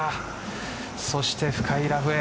そして深いラフへ。